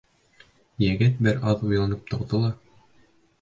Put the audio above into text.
Егет бер аҙ уйланып торҙо ла: